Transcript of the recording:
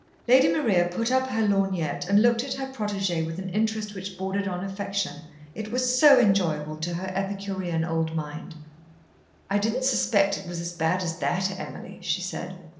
Lady Maria put up her lorgnette and looked at her protégée with an interest which bordered on affection, it was so enjoyable to her epicurean old mind. "I didn't suspect it was as bad as that, Emily," she said.